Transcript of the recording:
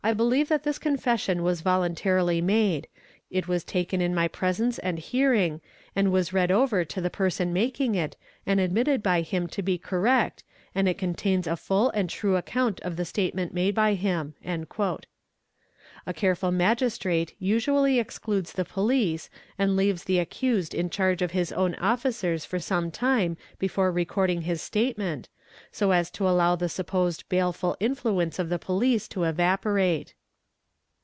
believe that this confession was voluntarily made. It was taken in m} presence and hearing, and was read over to the person making it am admitted by him to be correct, and it contains a full and true account of the statement made by him." A careful Magistrate usually exclude the police and leaves the accused in charge of his own officers for som time before recording his statement, so as to allow the supposed baleft influence of the police to evaporate.